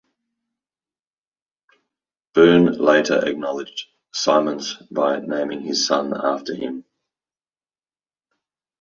Boon later acknowledged Simmons by naming his son after him.